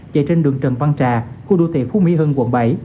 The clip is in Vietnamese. chạy trên đường trần văn trà khu đô thị phú mỹ hưng quận bảy